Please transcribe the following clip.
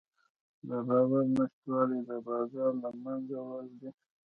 د باور نشتوالی د بازار له منځه وړل دي.